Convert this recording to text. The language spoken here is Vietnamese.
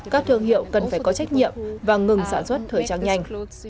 các thương hiệu cần phải có trách nhiệm và ngừng sản xuất thời trang nhanh